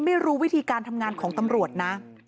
ไม่รู้วิธีการทำงานของตำรวจนะ